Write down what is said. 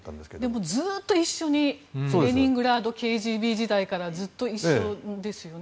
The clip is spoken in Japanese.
でもずっとレニングラードＫＧＢ時代から一緒ですよね。